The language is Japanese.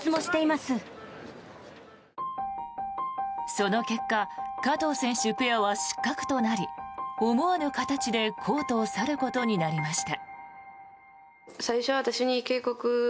その結果加藤選手ペアは失格となり思わぬ形でコートを去ることになりました。